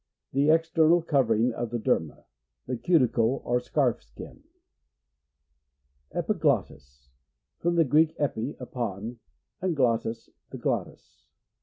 The ex ternal covering of the derma. The cuticle or scarf skin. Epiglottis. — From the Greek, epi, upon, and glottis, the glottis.